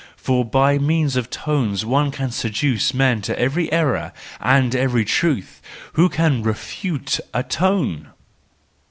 For by means of tones one can seduce men to every error and every truth: who could refute a tone?